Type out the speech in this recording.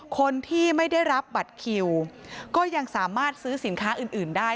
คนที่ไม่ได้รับบัตรคิวก็ยังสามารถซื้อสินค้าอื่นได้